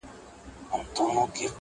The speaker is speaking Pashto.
نه له زوره د زلمیو مځکه ګډه په اتڼ ده٫